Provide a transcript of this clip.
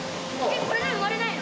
これじゃ生まれないの？